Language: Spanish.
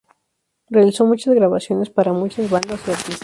Realizó muchas grabaciones para muchas bandas y artistas.